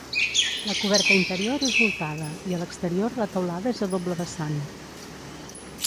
La coberta interior és voltada i a l'exterior la teulada és a doble vessant.